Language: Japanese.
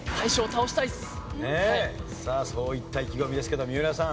さあそういった意気込みですけど三浦さん。